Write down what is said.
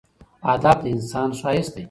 ادب د انسان ښایست دی.